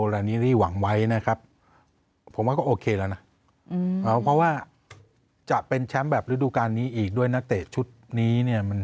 เราว่าจะเป็นแชมป์แบบฤดูกันนี้อีกด้วยนักเตะชุดนี้